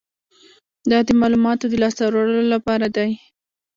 دا د معلوماتو د لاسته راوړلو لپاره دی.